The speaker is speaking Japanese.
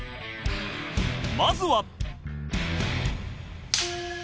まずは